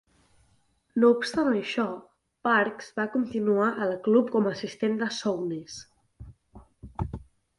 No obstant això, Parkes va continuar al club com a assistent de Souness.